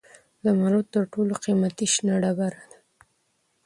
زمرد تر ټولو قیمتي شنه ډبره ده.